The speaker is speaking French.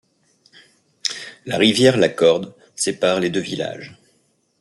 La rivière la Corde sépare les deux villages.